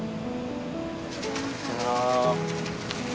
さようなら。